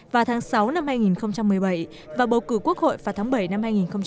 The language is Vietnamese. vào tháng sáu năm hai nghìn một mươi bảy và bầu cử quốc hội vào tháng bảy năm hai nghìn một mươi tám